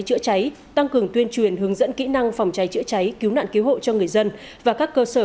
chữa cháy tăng cường tuyên truyền hướng dẫn kỹ năng phòng cháy chữa cháy cứu nạn cứu hộ cho người dân và các cơ sở